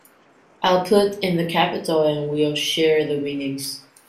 I'll put in the capital and we'll share the winnings.